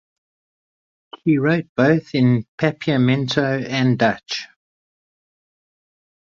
She wrote both in Papiamento and Dutch.